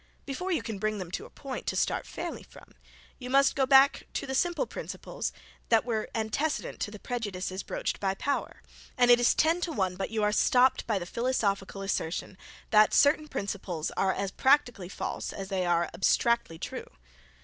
Before you can bring them to a point, to start fairly from, you must go back to the simple principles that were antecedent to the prejudices broached by power; and it is ten to one but you are stopped by the philosophical assertion, that certain principles are as practically false as they are abstractly true.